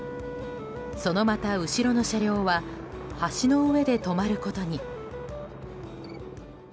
そのまた後ろの車両は橋の上で止まることに。